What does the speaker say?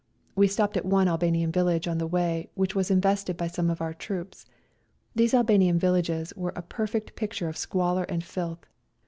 We stopped at one Albanian village, on the way which was invested by some of our troops. These Albanian vil lages were a perfect picture of squalor and filth.